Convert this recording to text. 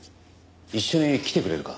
一緒に来てくれるか？